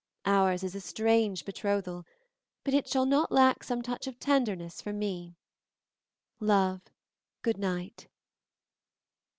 Ours is a strange betrothal, but it shall not lack some touch of tenderness from me. Love, good night."